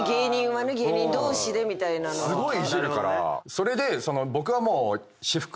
それで僕はもう。